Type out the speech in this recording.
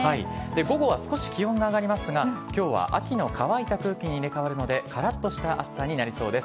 午後は少し気温が上がりますが、きょうは秋の乾いた空気に入れ替わるので、からっとした暑さになりそうです。